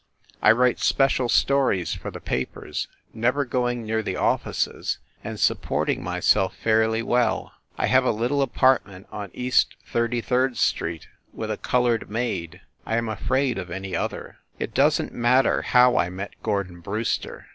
I write special stories for the papers, never going near the offices, and supporting myself fairly well. I have a little apartment on East Thirty third Street, with a colored maid I am afraid of any other. 32 FIND THE WOMAN It doesn t matter how I met Gordon Brewster.